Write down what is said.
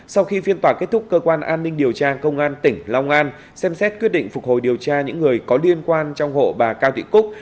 sau khi phiên tòa kết thúc cơ quan an ninh điều tra công an tỉnh long an xem xét quyết định phục hồi điều tra những người có liên quan trong hộ bà cao thị cúc